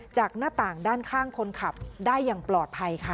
จากหน้าต่างด้านข้างคนขับได้อย่างปลอดภัยค่ะ